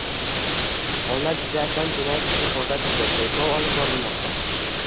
Holat yuzasidan jinoyat ishi qo‘zg‘atildi, tergov olib borilmoqda